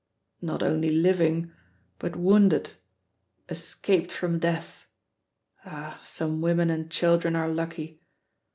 "Not only living, but wounded! Escaped from death! Ah, some women and children are lucky!